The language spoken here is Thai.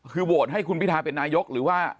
คือโหวตให้คุณพิทาเป็นนายกหรือว่า